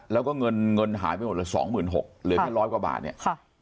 แล้วก็เงินหายไปหมดละ๒๖๐๐๐บาทเหลือแค่ร้อยกว่าบาทเนี่ย